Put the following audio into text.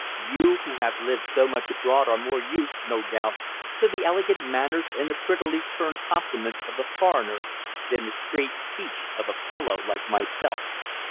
You who have lived so much abroad are more used, no doubt, to the elegant manners and the prettily turned compliments of the foreigner than the straight speech of a fellow like myself.